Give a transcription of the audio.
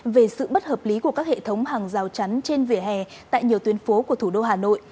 về sự bất hợp lý của các hệ thống hàng rào chắn trên vỉa hè tại nhiều tuyến phố của thủ đô hà nội